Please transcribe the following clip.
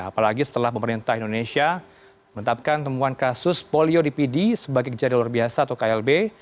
apalagi setelah pemerintah indonesia menetapkan temuan kasus polio di pd sebagai kejadian luar biasa atau klb